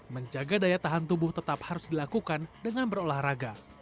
menjaga daya tahan tubuh tetap harus dilakukan dengan berolahraga